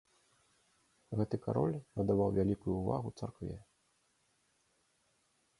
Гэты кароль надаваў вялікую ўвагу царкве.